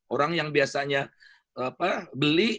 orang yang biasanya beli